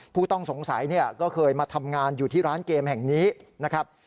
ผู้ต้องสงสัยเนี่ยก็เคยมาทำงานอยู่ที่ร้านเกมแห่งนี้นะครับ